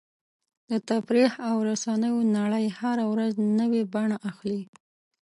د تفریح او رسنیو نړۍ هره ورځ نوې بڼه اخلي.